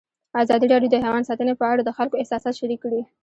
ازادي راډیو د حیوان ساتنه په اړه د خلکو احساسات شریک کړي.